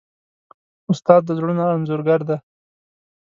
استاد د زړونو انځورګر دی.